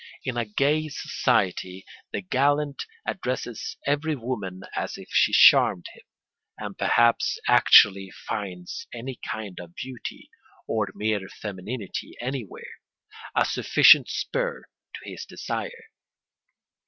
In a gay society the gallant addresses every woman as if she charmed him, and perhaps actually finds any kind of beauty, or mere femininity anywhere, a sufficient spur to his desire.